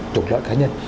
tục lợi cá nhân